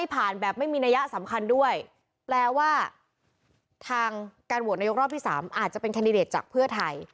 แปลว่าทางการโหวดนายกรอบที่๓อาจจะเป็นแคนดิเดตจากเพื่อไทย